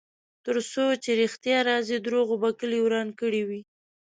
ترڅو چې ریښتیا راځي، دروغو به کلی وران کړی وي.